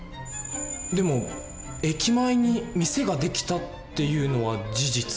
でも「駅前に店ができた」っていうのは事実？